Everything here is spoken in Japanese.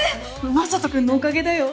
雅人君のおかげだよ。